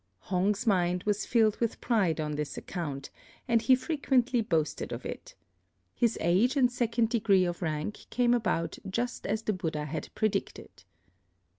Hong's mind was filled with pride on this account, and he frequently boasted of it. His age and Second Degree of rank came about just as the Buddha had predicted.